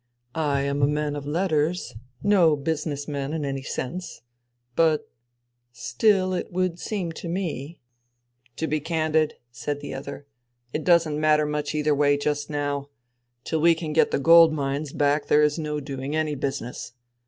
138 FUTILITY " I am a man of letters, no business man in any sense ; still it would seem to me "" To be candid," said the other, " it doesn't matter much either way just now. Till we can get the gold mines back there is no doing any business.